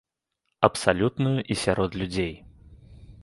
Абсалютную і сярод людзей.